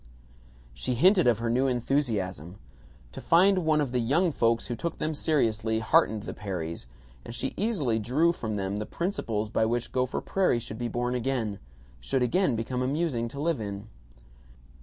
She hinted of her new enthusiasm. To find one of the "young folks" who took them seriously, heartened the Perrys, and she easily drew from them the principles by which Gopher Prairie should be born again should again become amusing to live in.